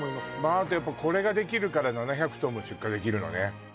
すごいあとやっぱこれができるから７００ｔも出荷できるのね